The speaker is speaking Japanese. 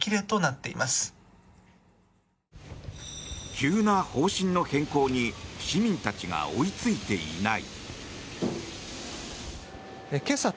急な方針の変更に市民たちが追いついていない。